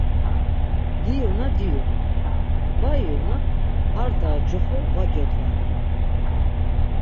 Diyuna diyu, va iyuna ar daha coxo va godvare.